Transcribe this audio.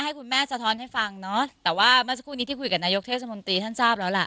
ให้คุณแม่สะท้อนให้ฟังเนอะแต่ว่าเมื่อสักครู่นี้ที่คุยกับนายกเทศมนตรีท่านทราบแล้วล่ะ